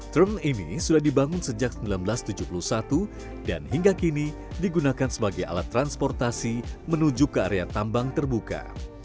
term ini sudah dibangun sejak seribu sembilan ratus tujuh puluh satu dan hingga kini digunakan sebagai alat transportasi menuju ke area tambang terbuka